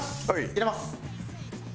入れます。